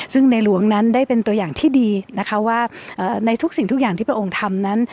ซึ่งในหลวงนั้นได้เป็นตัวอย่างที่ดีนะคะว่าในทุกสิ่งทุกอย่างที่พระองค์ทำนั้น